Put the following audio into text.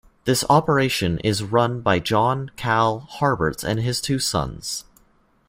This operation is run by John "Cal" Harberts and his two sons.